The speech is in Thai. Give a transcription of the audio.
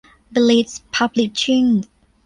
บลิส พับลิชชิ่ง